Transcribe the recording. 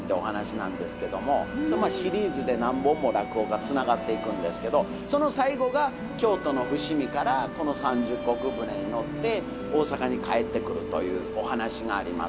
それシリーズで何本も落語がつながっていくんですけどその最後が京都の伏見からこの三十石船に乗って大阪に帰ってくるというお噺があります。